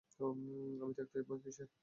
আমি থাকতে ভয় কীসের!